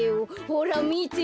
ほらみて。